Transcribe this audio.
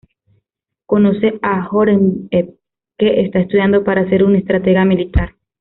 Conoce a Horemheb, que está estudiando para ser un estratega militar.